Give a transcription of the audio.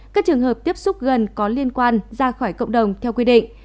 các trường hợp tiếp xúc gần có liên quan ra khỏi cộng đồng theo quy định